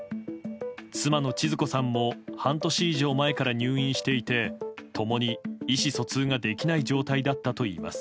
妻のちづ子さんも半年以上前から入院していて共に意思疎通ができない状態だったといいます。